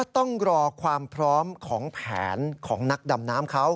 ต้องรอความพร้อมของแผนของนักดำน้ำเขา